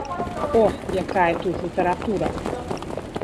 О, якая тут літаратура!